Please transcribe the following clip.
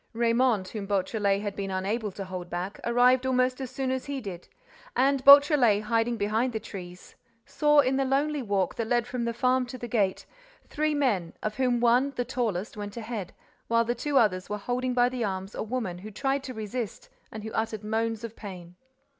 Raymonde, whom Beautrelet had been unable to hold back, arrived almost as soon as he did; and Beautrelet, hiding behind the trees, saw, in the lonely walk that led from the farm to the gate, three men, of whom one, the tallest, went ahead, while the two others were holding by the arms a woman who tried to resist and who uttered moans of pain.